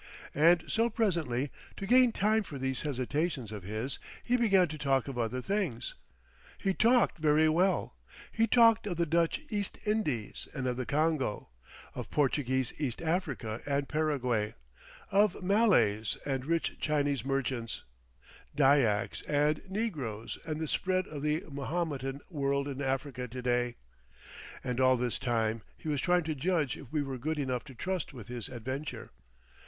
And so presently, to gain time for these hesitations of his, he began to talk of other things. He talked very well. He talked of the Dutch East Indies and of the Congo, of Portuguese East Africa and Paraguay, of Malays and rich Chinese merchants, Dyaks and negroes and the spread of the Mahometan world in Africa to day. And all this time he was trying to judge if we were good enough to trust with his adventure.